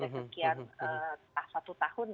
mungkin sudah sekian satu tahun